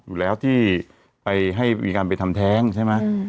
อยู่แล้วที่ไปให้มีการไปทำแท้งใช่ไหม